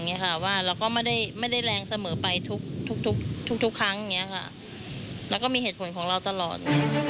เนี้ยค่ะว่าเราก็ไม่ได้ไม่ได้แรงเสมอไปทุกทุกทุกทุกครั้งอย่างเงี้ยค่ะแล้วก็มีเหตุผลของเราตลอด